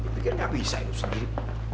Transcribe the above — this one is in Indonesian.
tidak saya pikir nggak bisa hidup sendiri